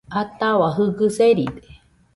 Atahua Jɨgɨ seride